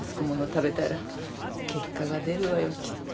食べたら結果が出るわよきっと。